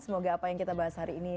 semoga apa yang kita bahas hari ini